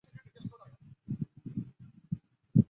包箨矢竹为禾本科青篱竹属下的一个种。